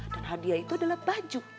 dan hadiah itu adalah baju